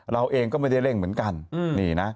เราเองก็ไม่ได้เร่งเหมือนกันนี่นะ